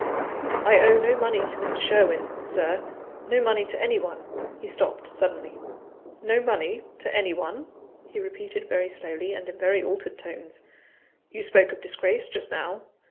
"I owe no money to Mr. Sherwin, Sir no money to any one." He stopped suddenly: "No money to any one?" he repeated very slowly, and in very altered tones. "You spoke of disgrace just now.